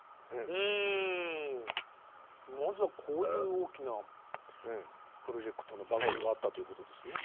うんまずはこういう大きなプロジェクトの番組があったということですね。